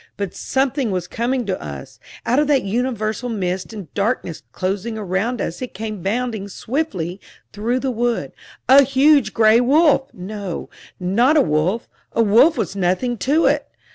But something was coming to us out of that universal mist and darkness closing around us it came bounding swiftly through the wood a huge gray wolf! No, not a wolf a wolf was nothing to it!